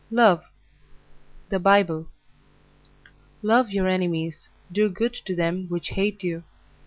MOORE LOVE Love your enemies, do good to them which hate you.